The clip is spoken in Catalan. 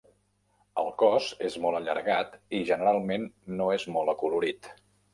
El cos és molt allargat i generalment no és molt acolorit.